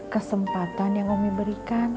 kesempatan yang umi berikan